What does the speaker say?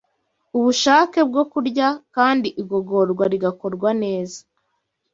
ubushake bwo kurya kandi igogorwa rigakorwa neza